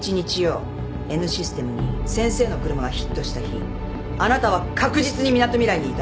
Ｎシステムに先生の車がヒットした日あなたは確実にみなとみらいにいた。